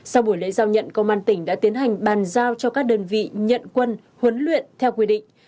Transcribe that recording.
sau buổi lễ giao nhận công an tỉnh đã tiến hành bàn giao cho các đơn vị nhận quân huấn luyện theo quy định